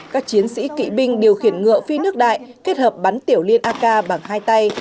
các chiến sĩ kỵ binh điều khiển ngựa phi nước đại kết hợp bắn tiểu liên ak bằng hai tay